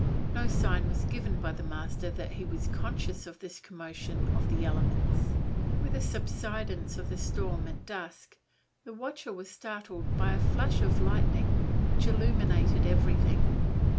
No sign was given by the master that he was conscious of this commotion of the elements. With the subsidence of the storm at dusk, the watcher was startled by a flash of lightning, which illumined everything.